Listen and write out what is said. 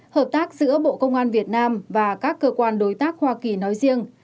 hợp tác giữa bộ công an việt nam và các cơ quan đối tác hoa kỳ nói riêng